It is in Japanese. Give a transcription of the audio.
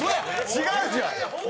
違うじゃん！